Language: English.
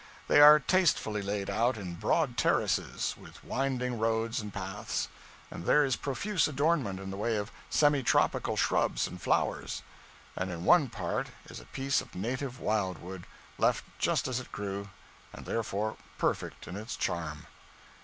They are tastefully laid out in broad terraces, with winding roads and paths; and there is profuse adornment in the way of semi tropical shrubs and flowers,' and in one part is a piece of native wild wood, left just as it grew, and, therefore, perfect in its charm.